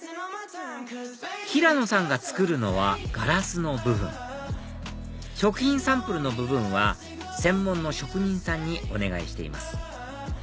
ひらのさんが作るのはガラスの部分食品サンプルの部分は専門の職人さんにお願いしています